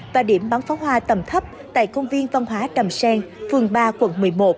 và điểm bắn pháo hoa tầm thấp tại công viên văn hóa trầm sen phường ba quận một mươi một